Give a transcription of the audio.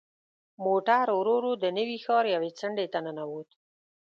موټر ورو ورو د نوي ښار یوې څنډې ته ننوت.